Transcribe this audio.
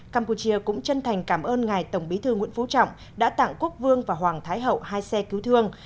campuchia cũng chân thành cảm ơn ngài tổng bí thư nguyễn phú trọng đã tặng quốc vương và hoàng thái hậu hai xe cứu thương